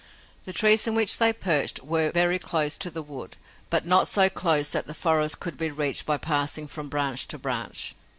The trees in which they perched were very close to the wood, but not so close that the forest could be reached by passing from branch to branch.